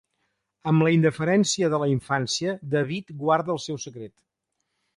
Amb la indiferència de la infància, David guarda el seu secret.